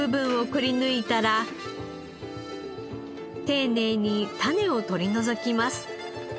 丁寧に種を取り除きます。